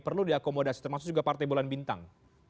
perlu diakomodasi termasuk juga partai bulan bintang